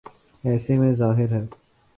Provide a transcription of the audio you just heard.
ایسے میں ظاہر ہے۔